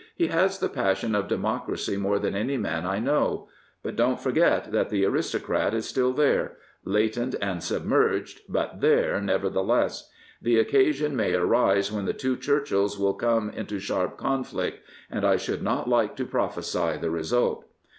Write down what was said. '' He has the passion of democracy more than any man I know. But don't forget that the aristocrat is still there — latent and submerged, but there nevertheless. The occasion may arise when the two Churchills will come into sharp conflict, and I should not like to prophesy the result."